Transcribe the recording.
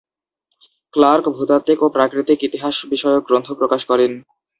Clerk ভূতাত্ত্বিক ও প্রাকৃতিক ইতিহাস বিষয়ক গ্রন্থ প্রকাশ করেন।